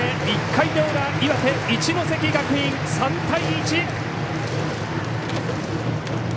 １回の裏、岩手・一関学院３対１！